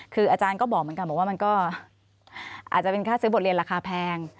คืออาจารย์ก็บอกเหมือนกันบอกว่ามันก็อาจจะเป็นค่าซื้อบทเรียนราคาแพง